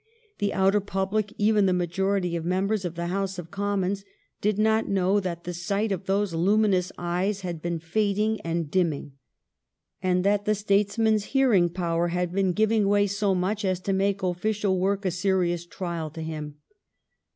The outer public, even the majority of members of the House of Commons, did not know that the sight of those luminous eyes had been fading and dimming and that the statesman's hearing power had been giving way so much as to make official work a serious trial to him.